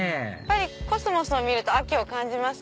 コスモスを見ると秋を感じます。